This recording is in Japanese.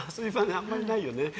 あんまりないよね。